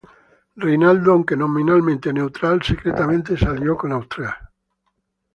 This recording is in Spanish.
Reinaldo, aunque nominalmente neutral, secretamente se alió con Austria.